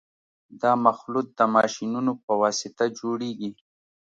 دا مخلوط د ماشینونو په واسطه جوړیږي